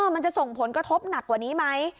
มันจะส่งผลกระทบหนักกว่านี้ไหม